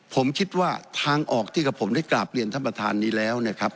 ผมคิดว่าทางออกที่กับผมได้กราบเรียนท่านประธานนี้แล้วนะครับ